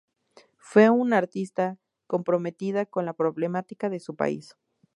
Fue una artista comprometida con la problemática de su país.